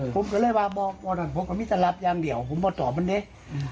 ผมก็เลยว่าบอกว่าผมก็ไม่สลับอย่างเดียวผมก็ตอบมันเนี่ย